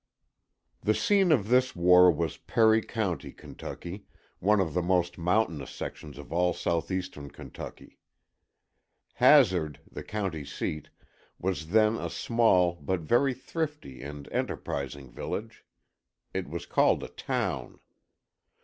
The scene of this war was Perry County, Kentucky, one of the most mountainous sections of all Southeastern Kentucky. Hazard, the county seat, was then a small, but very thrifty and enterprising village. It was called a town.